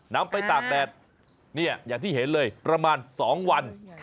นำไปตากแดดเนี่ยอย่างที่เห็นเลยประมาณ๒วัน